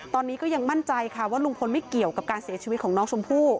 ตอนนี้ก็ยังมั่นใจค่ะว่าลุงพลไม่เกี่ยวกับการเสียชีวิตของน้องชมพู่